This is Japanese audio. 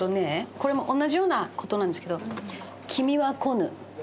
これも同じような事なんですけど。